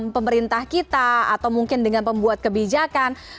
pemerintah kita atau mungkin dengan pembuat kebijakan